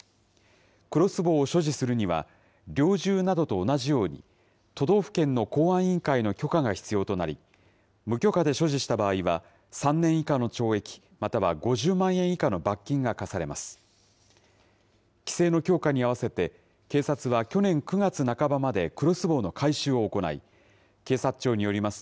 クロスボウを所持するには、猟銃などと同じように、都道府県の公安委員会の許可が必要となり、無許可で所持した場合は３年以下の懲役、または５０万円以下の罰金が科されます。